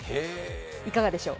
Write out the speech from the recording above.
いかがでしょう。